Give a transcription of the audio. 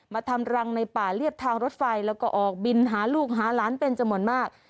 ทำรังในป่าเรียบทางรถไฟแล้วก็ออกบินหาลูกหาหลานเป็นจำนวนมาก